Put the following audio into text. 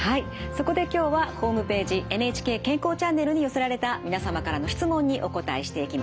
そこで今日はホームページ「ＮＨＫ健康チャンネル」に寄せられた皆様からの質問にお答えしていきます。